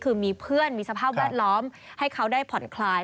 คือมีเพื่อนมีสภาพแวดล้อมให้เขาได้ผ่อนคลาย